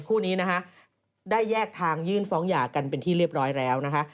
คู่นี้นะคะได้แยกทางยื่นฟ้องหย่ากันเป็นที่เรียบร้อยแล้วนะคะ